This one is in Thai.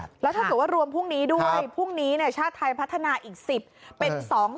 หรือว่ารวมพรุ่งนี้ด้วยพรุ่งนี้ชาติไทยพัฒนาอีก๑๐เป็น๒๓๘